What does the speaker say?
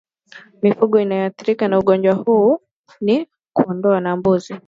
Mifugo inayoathirika na ugonjwa huu ni kuondoo na mbuzi